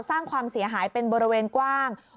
สร้างความเสียหายเป็นบริเวณกว้าง